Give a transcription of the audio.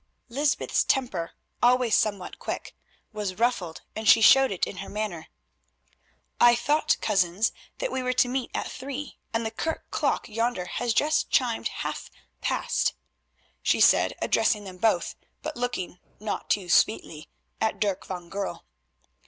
Lysbeth's temper, always somewhat quick, was ruffled, and she showed it in her manner. "I thought, cousins, that we were to meet at three, and the kirk clock yonder has just chimed half past," she said, addressing them both, but looking—not too sweetly—at Dirk van Goorl.